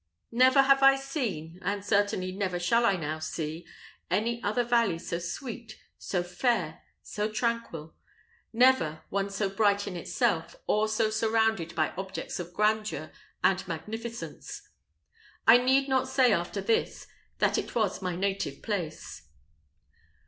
Never have I seen, and certainly never shall I now see, any other valley so sweet, so fair, so tranquil; never, one so bright in itself, or so surrounded by objects of grandeur and magnificence. I need not say after this, that it was my native place.